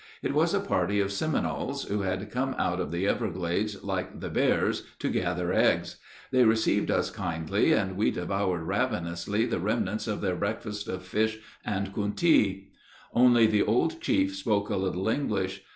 It was a party of Seminoles who had come out of the everglades like the bears to gather eggs. They received us kindly, and we devoured ravenously the remnants of their breakfast of fish and kountee. Only the old chief spoke a little English.